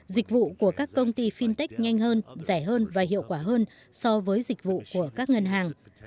dịch vụ của các công ty fintech nhanh hơn rẻ hơn và hiệu quả hơn so với dịch vụ của các ngân hàng